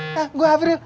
hah gua hafiz